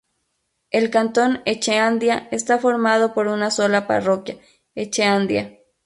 El cantón Echeandía está formado por una sola parroquia: Echeandía.